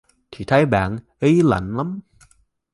Thì thấy bạn ý lạnh lắm